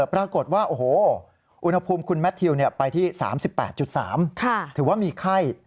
ปรากฏว่าโอ้โหอุณหภูมิคุณแมททิวไปที่๓๘๓ถือว่ามีไข้